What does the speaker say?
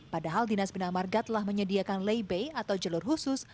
padahal dinas bina marga telah menyediakan lay bay atau jalur khusus